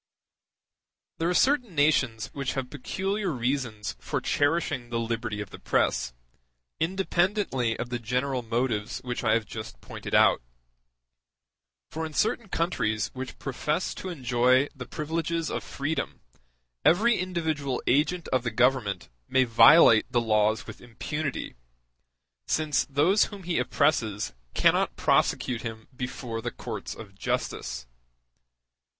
There are certain nations which have peculiar reasons for cherishing the liberty of the press, independently of the general motives which I have just pointed out. For in certain countries which profess to enjoy the privileges of freedom every individual agent of the Government may violate the laws with impunity, since those whom he oppresses cannot prosecute him before the courts of justice.